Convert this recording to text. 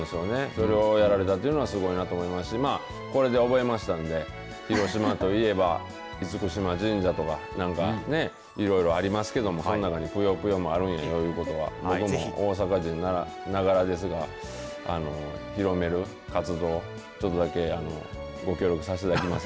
それをやられたというのはすごいと思いますしこれで覚えましたんで広島といえば厳島神社とかなんかねいろいろありますけどもその中にぷよぷよもあるんやろというのは大阪人ながらですが広める活動をちょっとだけご協力させていただきます。